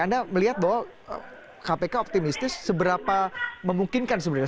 anda melihat bahwa kpk optimistis seberapa memungkinkan sebenarnya